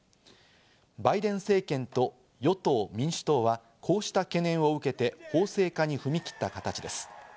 バイデン政権と与党・民主党はこうした懸念を受けて法制化に踏み切った形です。